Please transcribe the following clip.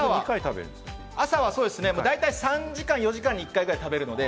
朝は大体３時間、４時間に１回ぐらい食べるので、